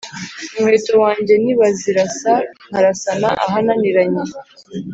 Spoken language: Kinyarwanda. umuheto wange ni bazirasa nkarasana ahananiranye